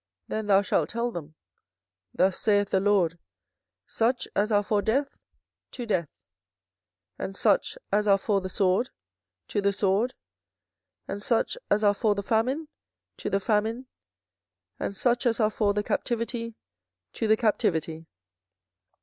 then thou shalt tell them, Thus saith the LORD; Such as are for death, to death; and such as are for the sword, to the sword; and such as are for the famine, to the famine; and such as are for the captivity, to the captivity.